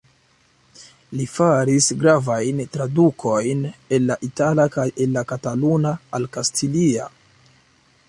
Li faris gravajn tradukojn el la itala kaj el la kataluna al kastilia.